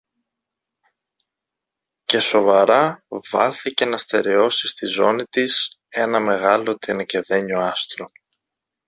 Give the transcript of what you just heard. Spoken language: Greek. και σοβαρά βάλθηκε να στερεώσει στη ζώνη της ένα μεγάλο τενεκεδένιο άστρο.